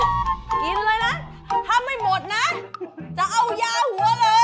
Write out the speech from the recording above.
ไปไปแล้วนะกินให้หมดนะกินเลยนะถ้าไม่หมดนะจะเอายาหัวเลย